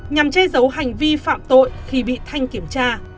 nhằm che giấu hành vi phạm tội khi bị thanh kiểm tra